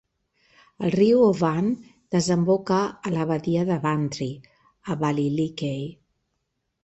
El riu Ovane desemboca a la badia de Bantry a Ballylickey.